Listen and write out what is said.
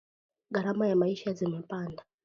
Gharama ya maisha zimepanda